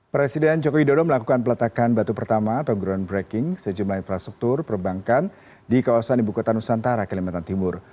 presiden jokowi dodo melakukan peletakan batu pertama atau groundbreaking sejumlah infrastruktur perbankan di kawasan ibu kota nusantara kelimatan timur